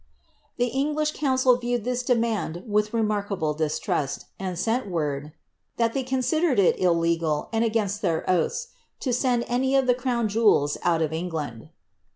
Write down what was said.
The English" council viewed "this ■:■.■ mand with remarkable distrust, and sent word. ■■ that they consiJerei: ;: illciTjl, and airainat their oaths, to send any of the crow n jewels out ff England."